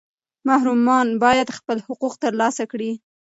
محرومان باید خپل حقوق ترلاسه کړي.